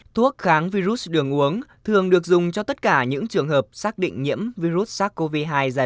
thuốc kháng virus đường uống thường được dùng cho tất cả những trường hợp xác định nhiễm virus sars cov hai giai đoạn sớm